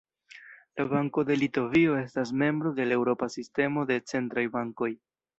La Banko de Litovio estas membro de la Eŭropa Sistemo de Centraj Bankoj.